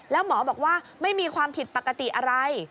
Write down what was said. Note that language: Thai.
แล้วหมอบอกว่าไม่มีความผิดปกติอะไร